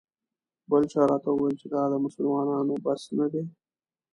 بل چا راته وویل چې دا د مسلمانانو بس نه دی.